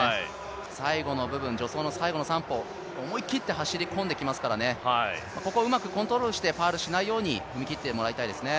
最後の部分、助走の最後の３歩、思い切って走り込んできますからね、ここうまくコントロールしてファウルしないように踏み切ってもらいたいですね。